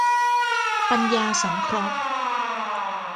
ปัญญาสังเคราะห์